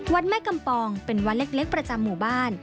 วัดแม่กำปองเป็นวัดเล็กประจำหมู่บ้าน